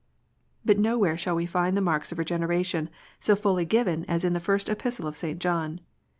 But nowhere shall we find the marks of Regeneration so fully given as in the first Epistle of St. John.